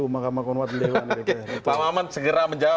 makam kehormatan dewa